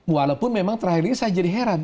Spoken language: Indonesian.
walaupun memang terakhir ini saya jadi heran